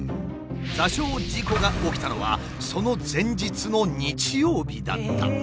座礁事故が起きたのはその前日の日曜日だった。